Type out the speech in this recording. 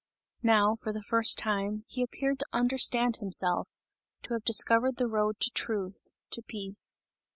Now, for the first time, he appeared to understand himself, to have discovered the road to truth, to peace.